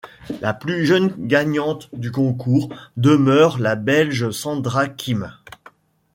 La plus jeune gagnante du Concours demeure la Belge Sandra Kim.